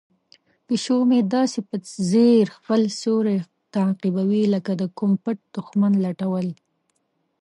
پیشو مې داسې په ځیر خپل سیوری تعقیبوي لکه د کوم پټ دښمن لټول.